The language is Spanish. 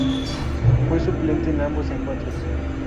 Fue suplente en ambos encuentros.